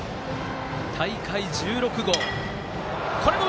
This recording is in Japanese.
大会１６号。